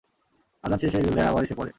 আযান শেষ হয়ে গেলে আবার এসে পড়ে।